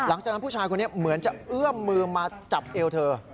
หลังจากนั้นผู้ชายคนนี้เหมือนจะเอื้อมมือมาจับเอวเธอ